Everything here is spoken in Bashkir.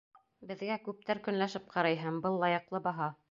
Беҙгә күптәр көнләшеп ҡарай һәм был — лайыҡлы баһа.